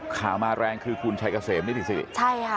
ข่าวมาแรงคือคุณชัยเกษมนิติสิริใช่ค่ะ